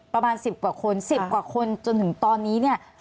ประมาณ๑๐กว่าคน๑๐กว่าคนจนถึงตอนนี้เนี่ย